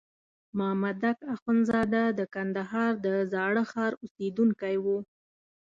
مامدک اخندزاده د کندهار د زاړه ښار اوسېدونکی وو.